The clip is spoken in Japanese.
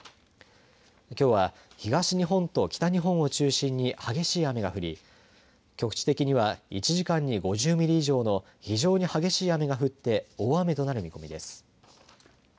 きょうは東日本と北日本を中心に激しい雨が降り局地的には１時間に５０ミリ以上の非常に激しい雨が降って大雨となる見込みです。